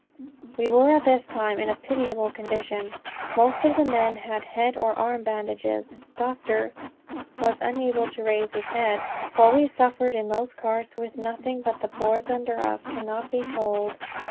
We were at this time in a pitiable condition. Most of the men had head or arms bandaged; Dr. was unable to raise his head. What we suffered in those carts with nothing but the boards under us cannot be told.